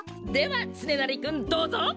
ではつねなりくんどうぞ！